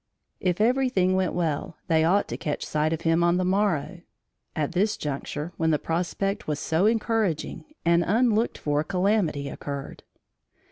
If everything went well, they ought to catch sight of him on the morrow. At this juncture, when the prospect was so encouraging, an unlooked for calamity occurred.